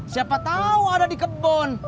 siapa tau ada di kebon